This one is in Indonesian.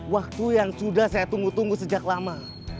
waktu yang sudah saya tunggu tunggu sejak lama